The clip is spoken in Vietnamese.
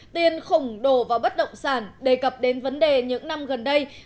tiền khổng đổ vào bất động sản đề cập đến vấn đề những năm gần đây